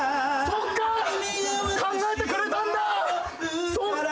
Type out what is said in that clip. そっか考えてくれたんだ！